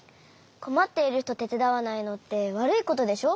こまっているひとてつだわないのってわるいことでしょ？